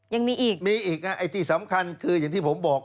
ยังมีอีกมีอีกไอ้ที่สำคัญคืออย่างที่ผมบอก